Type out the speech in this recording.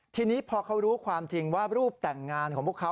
ทีนี้พอเขารู้ความจริงว่ารูปแต่งงานของพวกเขา